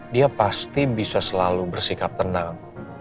dia pasti bisa selalu bersikap tenang